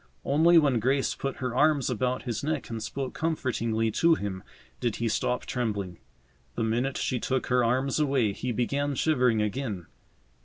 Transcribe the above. Only when Grace put her arms about his neck and spoke comfortingly to him did he stop trembling. The minute she took her arms away he began shivering again.